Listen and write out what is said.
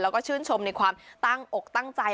แล้วก็ชื่นชมในความตั้งอกตั้งใจ